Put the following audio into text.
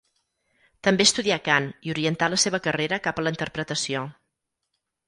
També estudià cant i orientà la seva carrera cap a la interpretació.